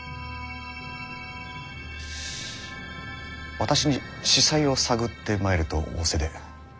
私に子細を探ってまいれと仰せで？